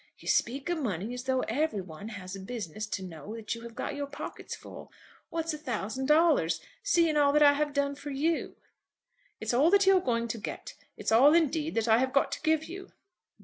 you speak of money as though every one has a business to know that you have got your pockets full. What's a thousand dollars, seeing all that I have done for you!" "It's all that you're going to get. It's all, indeed, that I have got to give you."